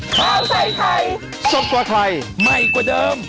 สวัสดีครับ